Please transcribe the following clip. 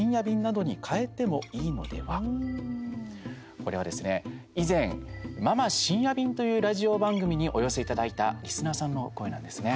これはですね、以前「ママ深夜便」というラジオ番組にお寄せいただいたリスナーさんの声なんですね。